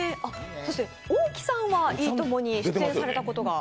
大木さんは「いいとも！」に出演されたことが。